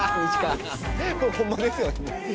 これホンマですよ。